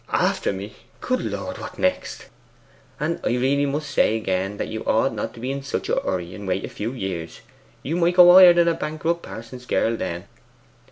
'After me! Good Lord, what next!' 'And I really must say again that you ought not to be in such a hurry, and wait for a few years. You might go higher than a bankrupt pa'son's girl then.